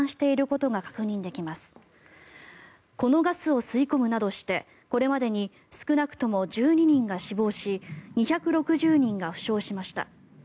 このガスを吸い込むなどしてこれまでに少なくとも１２人が死亡し２６０人が負傷しました。